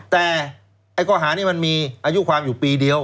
แต่ข้อหานี้มันมีอายุความอยู่ปีเดียว